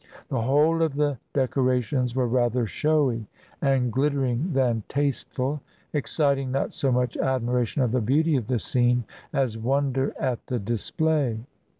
The whole of the decorations were rather showy and glitter 207 INDIA ing than tasteful, exciting not so much admiration of the beauty of the scene as wonder at the display.